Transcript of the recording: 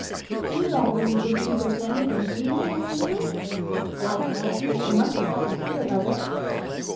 "You don't really believe there is anything, do you, Mary Lou?" "I don't know. There must be something queer about it."